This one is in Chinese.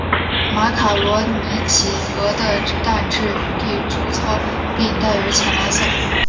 马卡罗尼企鹅的蛋质地粗糙并带有浅蓝色。